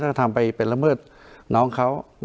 ถ้าทำไปเป็นละเมิดน้องเขา